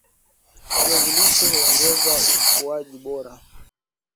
viazi lishe huongeza ukuaji bora